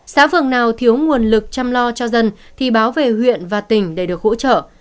xã phường nào thiếu nguồn lực chăm lo cho dân thì báo về huyện và tỉnh để được hỗ trợ